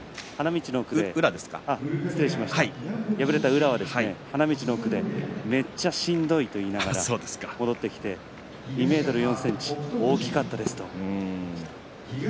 敗れた宇良は花道の奥でめっちゃしんどいと言いながら戻ってきて２ｍ４ｃｍ、大きかったですと言っていました。